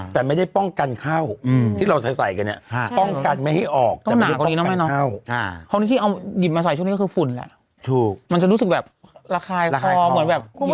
ต้นหนากว่านี้นะแม่น้องห้องนี้ที่เอาหยิบมาใส่ช่วงนี้คือฝุ่นแหละมันจะรู้สึกแบบราคายคอเหมือนแบบหิวขนาดนั้น